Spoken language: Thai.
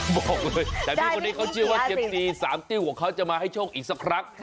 บอกเลยแต่พี่คนนี้เขาเชื่อว่าเซียมซีสามติ้วของเขาจะมาให้โชคอีกสักครั้ง